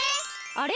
あれ？